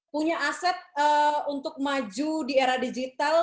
punya aset untuk maju di era digital